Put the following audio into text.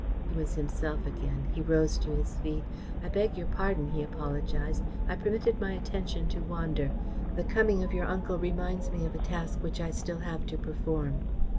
He was himself again. He rose to his feet. "I beg your pardon," he apologised. "I permitted my attention to wander. The coming of your uncle reminds me of a task which I still have to perform."